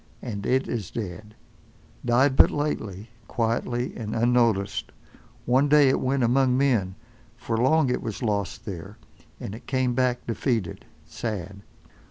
And it is dead—died but lately, quietly, and unnoticed. One day it went among men, for long it was lost there, and it came back defeated, sad.